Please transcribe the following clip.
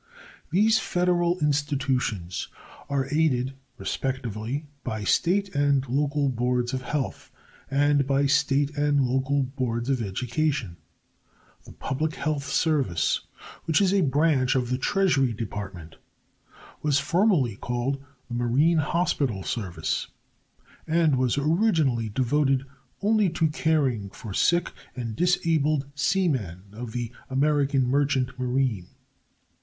These Federal institutions are aided, respectively, by state and local boards of health and by state and local boards of education. The Public Health Service, which is a branch of the Treasury Department, was formerly called the Marine Hospital Service, and was originally devoted only to caring for sick and disabled seamen of the American merchant marine.